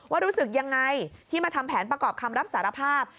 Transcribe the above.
รู้สึกยังไงที่มาทำแผนประกอบคำรับสารภาพ